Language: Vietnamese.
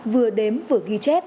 vừa đếm vừa ghi chép cẩn thận